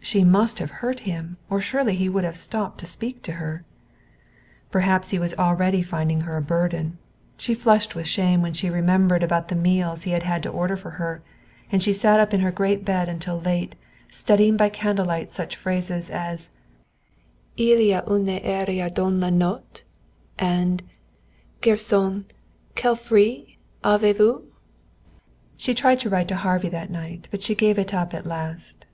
She must have hurt him or he would surely have stopped to speak to her. Perhaps already he was finding her a burden. She flushed with shame when she remembered about the meals he had had to order for her, and she sat up in her great bed until late, studying by candlelight such phrases as: "Il y a une erreur dans la note," and "Garçon, quels fruits avez vous?" She tried to write to Harvey that night, but she gave it up at last.